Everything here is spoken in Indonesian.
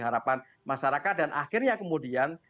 harapan masyarakat dan akhirnya kemudian